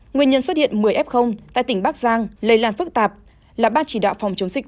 nguyên nhân xuất hiện một mươi f tại tỉnh bắc giang lây lan phức tạp là ban chỉ đạo phòng chống dịch